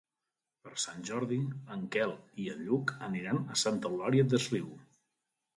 Per Sant Jordi en Quel i en Lluc aniran a Santa Eulària des Riu.